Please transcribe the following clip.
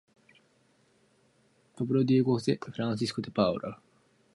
The discovery and publication of the Dahlgren Papers sparked controversy in the South.